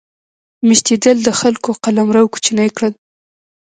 میشتېدل د خلکو قلمرو کوچني کړل.